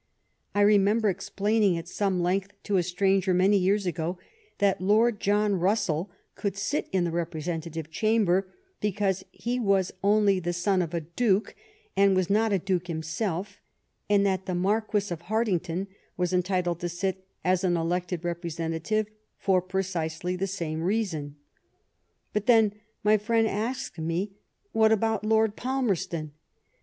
I remember ex plaining at some length to a stranger many years ago that Lord John Russell could sit in the Representative Chamber because he was only the son of a duke and was not a duke himself, and that the Marquis of Hartington was entitled to sit as an elected representative for precisely the same reason. But, then, my friend asked me, what about Lord Palmerston?